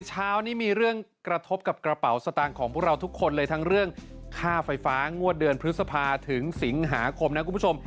เช้านี้มีเรื่องกระทบกับกระเป๋าสตางค์ของพวกเราทุกคนเลยทั้งเรื่องค่าไฟฟ้างวดเดือนพฤษภาถึงสิงหาคมนะคุณผู้ชม